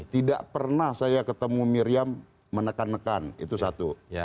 tidak pernah saya ketemu miriam menekan nekan itu satu